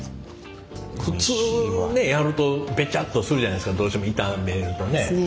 普通ねやるとベチャッとするじゃないですかどうしても炒めるとね。